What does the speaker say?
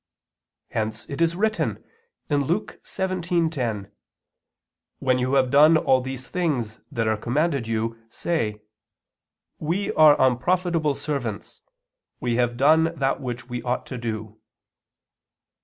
Hence it is written (Luke 17:10): "When you have done all these things that are commanded you, say: We are unprofitable servants; we have done that which we ought to do."